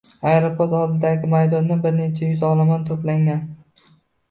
Aeroport oldidagi maydonda bir necha yuz olomon to‘plangan